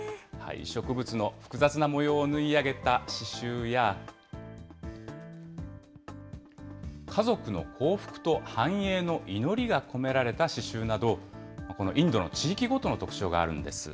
植物の複雑な模様を縫い上げた刺しゅうや、家族の幸福と繁栄の祈りが込められた刺しゅうなど、このインドの地域ごとの特徴があるんです。